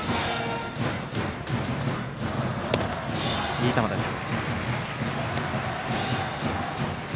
いい球です。